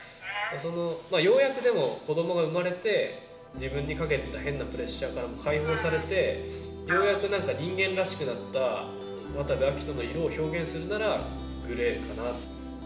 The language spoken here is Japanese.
ようやく、でも、子どもが産まれて自分にかけていた変なプレッシャーからも解放されてようやく人間らしくなった渡部暁斗の色を表現するならグレーかな。